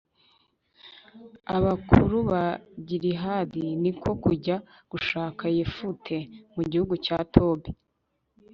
abakuru ba gilihadi ni ko kujya gushaka yefute mu gihugu cya tobi